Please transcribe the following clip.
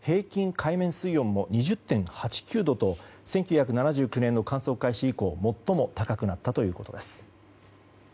海面水温も２０．８９度と１９７９年の観測開始以降最も高くなったということです。